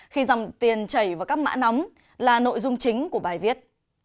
khi dòng tiền chảy vào các mã nóng là nội dung chính của bài viết